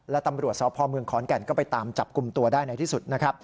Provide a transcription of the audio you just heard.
และตำรวจสพเมืองขอนแก่นก็ไปตามจับกลุ่มตัวได้ในที่สุดนะครับ